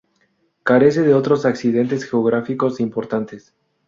Carece de otros accidentes geográficos importantes.